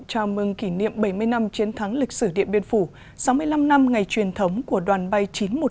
chào mừng kỷ niệm bảy mươi năm chiến thắng lịch sử điện biên phủ sáu mươi năm năm ngày truyền thống của đoàn bay chín trăm một mươi chín